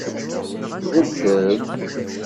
Tbeddel.